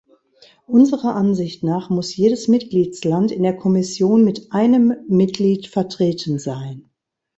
Unserer Ansicht nach muss jedes Mitgliedsland in der Kommission mit einem Mitglied vertreten sein.